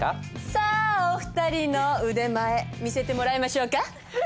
さあお二人の腕前見せてもらいましょうか。